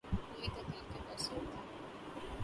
یہ تقدیر کے فیصلے ہوتے ہیں۔